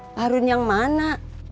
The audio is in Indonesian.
pak harun yang mana